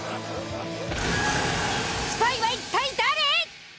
スパイは一体誰！？